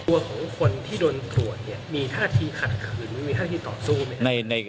ตัวของคนที่โดนตรวจมีท่าทีขัดคืนมีท่าทีต่อสู้ไหม